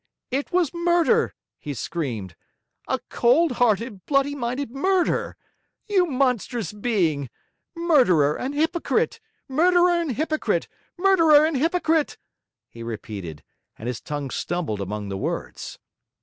'It was a murder,' he screamed. 'A cold hearted, bloody minded murder! You monstrous being! Murderer and hypocrite murderer and hypocrite murderer and hypocrite ' he repeated, and his tongue stumbled among the words.